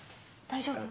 大丈夫？